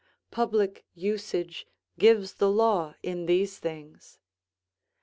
Public usage gives the law in these things.